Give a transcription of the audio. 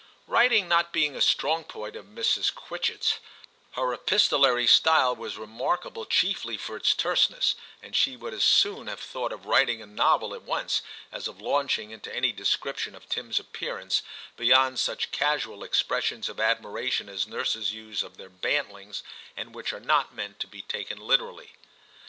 Writing not being a strong point of Mrs. Quitchett 's, her epistolary style was remark able chiefly for its terseness, and she would as soon have thought of writing a novel at once as of launching into any description of Tim's appearance, beyond such casual ex pressions of admiration as nurses use of their bantlings, and which are not meant to be taken literally.